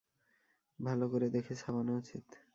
ভাল করে দেখে ছাপান উচিত।